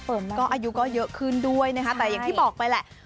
อายุก็เยอะขึ้นด้วยนะคะแต่อย่างที่บอกไปแหละ